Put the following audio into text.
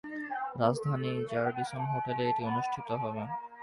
রাজধানীর র্যাডিসন হোটেলে এটি অনুষ্ঠিত হবে।